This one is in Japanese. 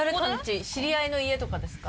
知り合いの家とかですか？